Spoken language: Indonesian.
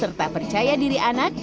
serta percaya diri anak